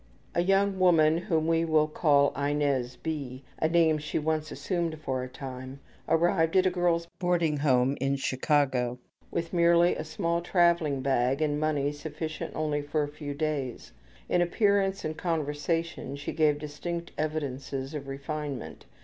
A young woman, whom we will call Inez B., a name she once assumed for a time, arrived at a girls' boarding home in Chicago with merely a small traveling bag and money sufficient only for a few days. In appearance and conversation she gave distinct evidences of refinement.